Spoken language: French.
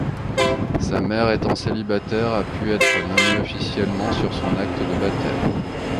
Sa mère, étant célibataire, a pu être nommée officiellement sur son acte de baptême.